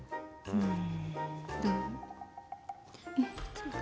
うん。